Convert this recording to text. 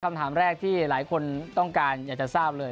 คำถามแรกที่หลายคนต้องการอยากจะทราบเลย